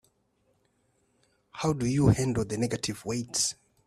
How do you handle the negative weights?